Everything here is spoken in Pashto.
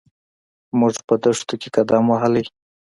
موږ په دښتو کې قدم وهلی.